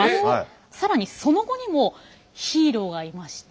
更にその後にもヒーローがいまして。